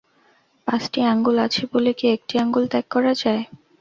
পাঁচটি আঙুল আছে বলে কি একটি আঙুল ত্যাগ করা যায়।